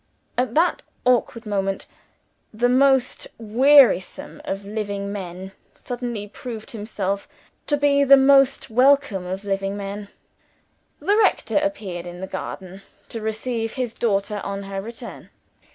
At that awkward moment, the most wearisome of living men suddenly proved himself to be the most welcome of living men. The rector appeared in the garden, to receive his daughter on her return.